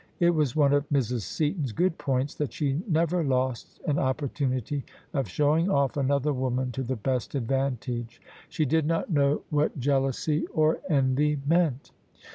'* It was one of Mrs. Seaton's good points that she never lost an opportunity of showing ofif another woman to the best advantage. She did not know what jealousy or envy meant.